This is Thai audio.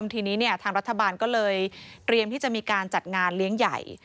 ทีนี้ทางรัฐบาลก็เลยเตรียมที่จะมีการจัดงานเลี้ยงใหญ่